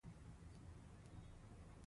پوه شوم چې لویه لار ويجاړه ده.